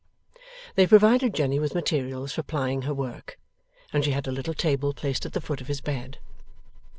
They provided Jenny with materials for plying her work, and she had a little table placed at the foot of his bed.